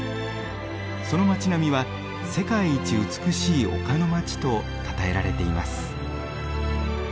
その町並みは世界一美しい丘の街とたたえられています。